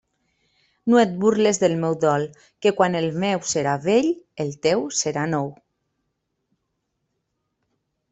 No et burles del meu dol, que quan el meu serà vell, el teu serà nou.